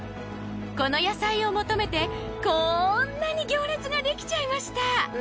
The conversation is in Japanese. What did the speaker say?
この野菜を求めてこんなに行列ができちゃいました！